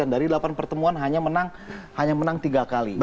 dari delapan pertemuan hanya menang tiga kali